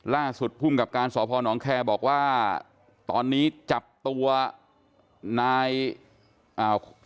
ล่าสุดภูมิกับการสพนแคร์บอกว่าตอนนี้จับตัวนายอ่า